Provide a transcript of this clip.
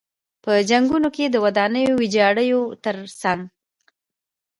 په جنګونو کې د ودانیو ویجاړیو تر څنګ.